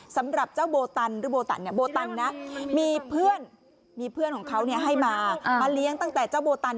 สำหรับเจ้าโบตันหรือโบตันเนี่ยโบตันนะมีเพื่อนมีเพื่อนของเขาให้มามาเลี้ยงตั้งแต่เจ้าโบตัน